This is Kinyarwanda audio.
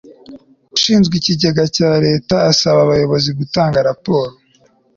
ushinzwe ikigega cya leta asaba abayobozi gutanga raporo